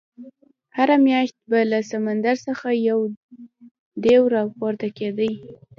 هره میاشت به له سمندر څخه یو دېو راپورته کېدی.